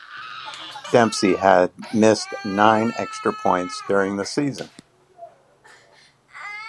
Dempsey had missed nine extra points during the season.